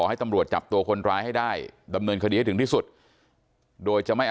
ให้ตำรวจจับตัวคนร้ายให้ได้ดำเนินคดีให้ถึงที่สุดโดยจะไม่เอา